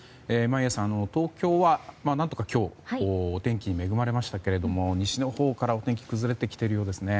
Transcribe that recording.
眞家さん、東京は何とか今日天気恵まれましたけど西のほうからお天気が崩れてきているようですね。